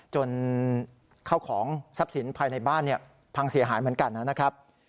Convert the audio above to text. จนเข้าของทรัพย์สินภายในบ้านพังเสียหายเหมือนกันนะครับ